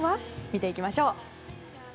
見ていきましょう。